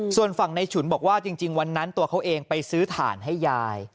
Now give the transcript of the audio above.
ส่วนฝั่งในฉุนบอกว่าจริงวันนั้นตัวเขาเองไปซื้อถ่านให้ยาย